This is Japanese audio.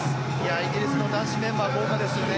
イギリスの男子メンバー豪華ですね。